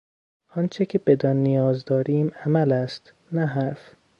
آنچه که بدان نیاز داریم عمل است، نه حرف.